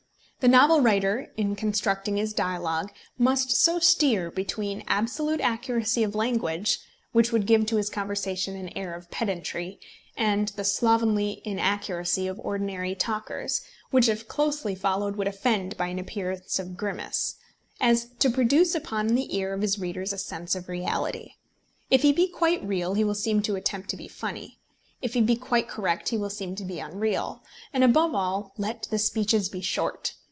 The novel writer in constructing his dialogue must so steer between absolute accuracy of language which would give to his conversation an air of pedantry, and the slovenly inaccuracy of ordinary talkers, which if closely followed would offend by an appearance of grimace as to produce upon the ear of his readers a sense of reality. If he be quite real he will seem to attempt to be funny. If he be quite correct he will seem to be unreal. And above all, let the speeches be short.